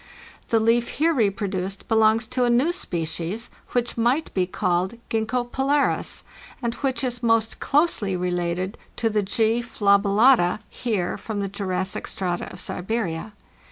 The leaf here reproduced belongs to a new species, which might be called Gzxgko polaris, and which is most closely rélated to the G. fadcllata (Heer) from the Jurassic strata of Siberia.